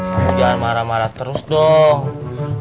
jangan marah marah terus dong